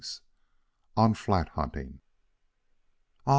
IX ON FLAT HUNTING "Aha!"